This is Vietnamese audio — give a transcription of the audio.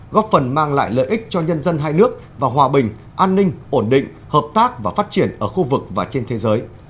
góp phần mang lại lợi ích cho nhân dân hai nước và hòa bình an ninh ổn định hợp tác và phát triển ở khu vực và trên thế giới